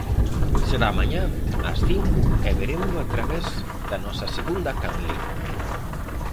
Será mañá, ás cinco, e verémolo a través na nosa segunda canle.